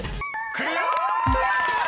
［クリア！］